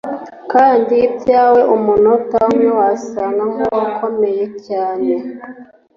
kandi ibyawe umunota umwe wasaga nkuwakomeye cyane